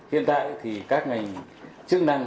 hiện tại thì các ngành chức năng